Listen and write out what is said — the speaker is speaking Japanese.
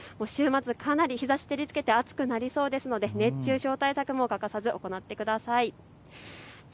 週末かなり日ざしが照りつけて暑くなりそうですので熱中症対策、欠かさず行ってください。